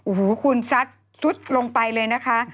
โอ้โหคุณซัดซุดลงไปเลยนะคะ